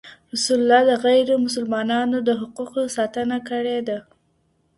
رسول الله د غير مسلمانانو د حقوقو ساتنه کړې ده.